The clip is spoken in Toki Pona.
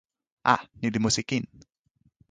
a, ni li musi kin.